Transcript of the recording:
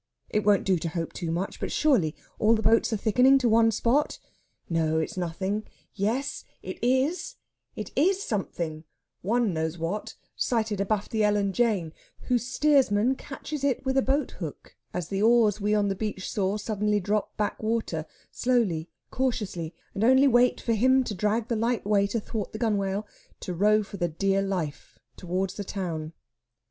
It won't do to hope too much, but surely all the boats are thickening to one spot.... No, it's nothing!... Yes, it is it is something one knows what sighted abaft the Ellen Jane, whose steersman catches it with a boathook as the oars we on the beach saw suddenly drop back water slowly, cautiously and only wait for him to drag the light weight athwart the gunwale to row for the dear life towards the town.